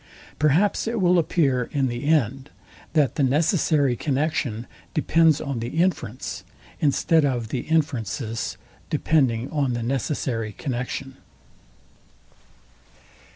Perhaps it will appear in the end, that the necessary connexion depends on the inference, instead of the inference's depending on the necessary connexion.